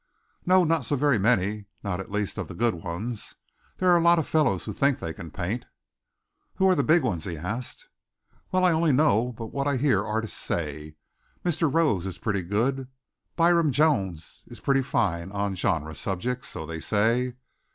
"No, not so very many not, at least, of the good ones. There are a lot of fellows who think they can paint." "Who are the big ones?" he asked. "Well, I only know by what I hear artists say. Mr. Rose is pretty good. Byam Jones is pretty fine on genre subjects, so they say.